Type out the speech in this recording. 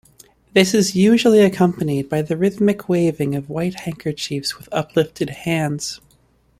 This is usually accompanied by the rhythmic waving of white handkerchiefs with uplifted hands.